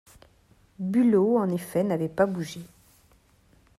Bülow en effet n’avait pas bougé.